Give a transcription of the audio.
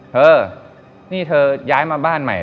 เธอนี่เธอย้ายมาบ้านใหม่